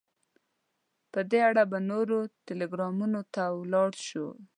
په دې اړه به نورو ټلګرامونو ته ولاړ شو.